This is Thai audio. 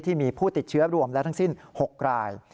ที่มีผู้ติดเชื้อรวมและทั้งสิ้น๖ราย